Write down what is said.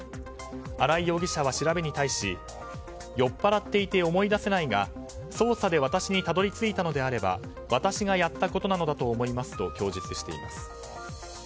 荒井容疑者は調べに対し酔っぱらっていて思い出せないが、捜査で私にたどり着いたのであれば私がやったことなどだと思いますと供述しています。